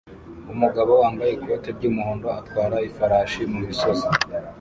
Umugabo wambaye ikoti ry'umuhondo atwara ifarashi mu misozi